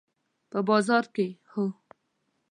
په بازار کې، هو